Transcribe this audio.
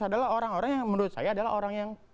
adalah orang orang yang menurut saya adalah orang yang